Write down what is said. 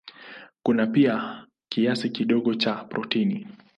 Kuna pia kiasi kidogo cha protini.